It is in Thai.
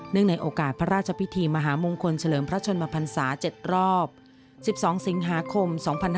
ในโอกาสพระราชพิธีมหามงคลเฉลิมพระชนมพันศา๗รอบ๑๒สิงหาคม๒๕๕๙